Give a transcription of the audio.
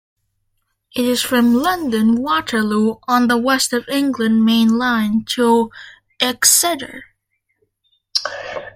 It is from London Waterloo on the West of England Main Line to Exeter.